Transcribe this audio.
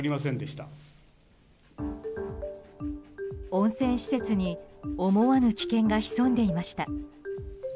温泉施設に思わぬ危険が潜んでいました。